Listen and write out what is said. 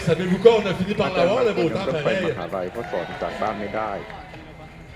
อาจารย์บางคนยังต้องไปมหาลัย เพราะสอนจากบ้านไม่ได้